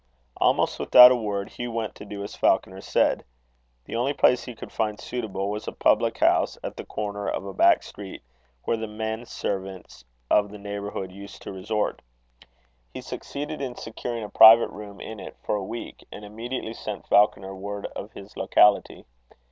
Almost without a word, Hugh went to do as Falconer said. The only place he could find suitable, was a public house at the corner of a back street, where the men servants of the neighbourhood used to resort. He succeeded in securing a private room in it, for a week, and immediately sent Falconer word of his locality.